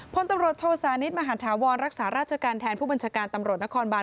พลตำรวจโทสานิทมหาธาวรรักษาราชการแทนผู้บัญชาการตำรวจนครบาน